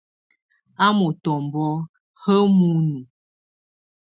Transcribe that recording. A mutɔmbɔ ha ə munu.